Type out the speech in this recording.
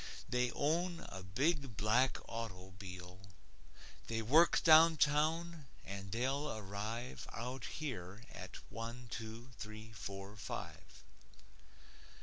They own a big black auto'bile. They work downtown, and they'll arrive Out here at one two three four five.